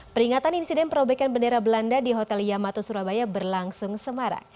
peringatan insiden perobekan bendera belanda di hotel yamato surabaya berlangsung semarak